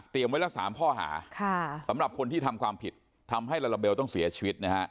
ไว้ละ๓ข้อหาสำหรับคนที่ทำความผิดทำให้ลาลาเบลต้องเสียชีวิตนะฮะ